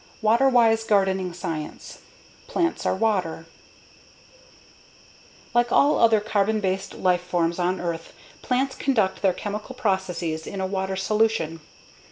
Chapter 2 Water Wise Gardening Science Plants Are Water Like all other carbon based life forms on earth, plants conduct their chemical processes in a water solution.